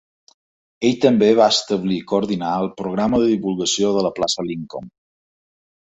Ell també va establir i coordinar el programa de divulgació de la plaça Lincoln.